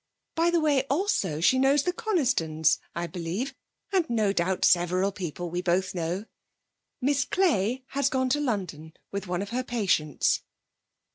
By the way, also, she knows the Conistons, I believe, and no doubt several people we both know. Miss Clay has gone to London with one of her patients.'